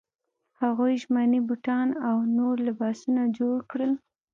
هغوی ژمني بوټان او نور لباسونه جوړ کړل.